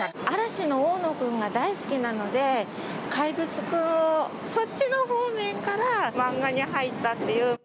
嵐の大野君が大好きなので、怪物くんを、そっちの方面から漫画に入ったっていう。